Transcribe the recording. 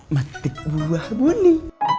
matik buah buni